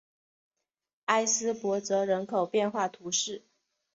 埃斯珀泽人口变化图示